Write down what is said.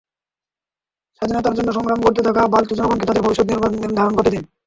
স্বাধীনতার জন্য সংগ্রাম করতে থাকা বালুচ জনগণকে তাঁদের ভবিষ্যৎ নির্ধারণ করতে দিন।